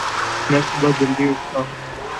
میں صبح جلدی اٹھتاہوں